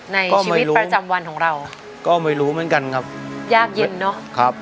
ในชีวิตประจำวันของเราก็ไม่รู้เหมือนกันครับยากเย็นเนอะครับ